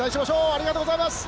ありがとうございます。